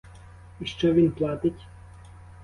І що він платить?